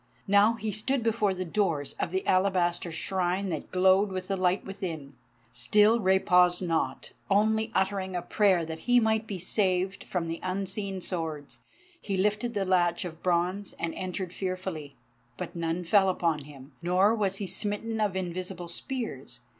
Now he stood before the doors of the Alabaster Shrine that glowed with the light within. Still Rei paused not, only uttering a prayer that he might be saved from the unseen swords; he lifted the latch of bronze, and entered fearfully. But none fell upon him, nor was he smitten of invisible spears.